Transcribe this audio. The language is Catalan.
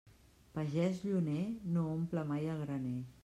Pagès lluner no omple mai el graner.